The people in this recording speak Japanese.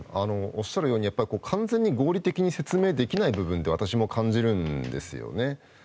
おっしゃるように完全に合理的に説明できない部分は私も感じるんですよね。